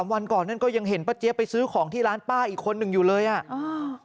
วันก่อนนั้นก็ยังเห็นป้าเจี๊ยบไปซื้อของที่ร้านป้าอีกคนหนึ่งอยู่เลยอ่ะอ่า